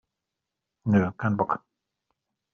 Nö, kein Bock!